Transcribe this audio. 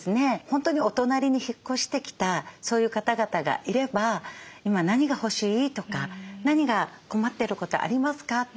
本当にお隣に引っ越してきたそういう方々がいれば「今何が欲しい？」とか「何か困ってることありますか？」。